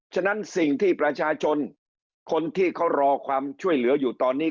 ฉะนั้นสิ่งที่ประชาชนคนที่เขารอความช่วยเหลืออยู่ตอนนี้